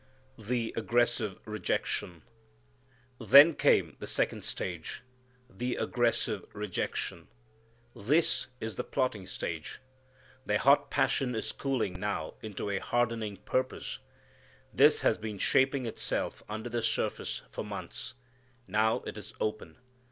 The Aggressive Rejection. Then came the second stage, the aggressive rejection. This is the plotting stage. Their hot passion is cooling now into a hardening purpose. This has been shaping itself under the surface for months. Now it is open.